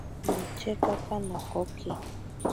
Nochekaka nakoki.